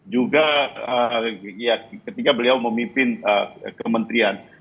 juga ketika beliau memimpin kementerian